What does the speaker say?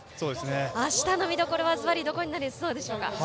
あしたの見どころは、ずばりどこになりそうでしょうか？